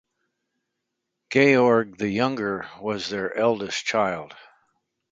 Georg the Younger was their eldest child.